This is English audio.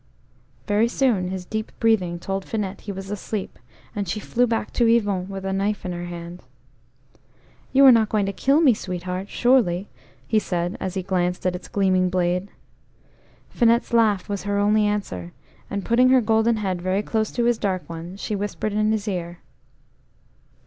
Very soon his deep breathing told Finette he was asleep, and she flew back to Yvon with a knife in her hand. "You are not going to kill me, sweetheart, surely?" he said, as he glanced at its gleaming blade. Finette's laugh was her only answer, and putting her golden head very close to his dark one, she whispered in his ear.